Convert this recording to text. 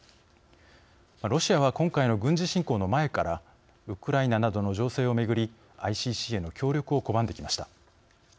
ロシアは今回の軍事侵攻の前からウクライナなどの情勢をめぐりＩＣＣへの協力を拒んできました。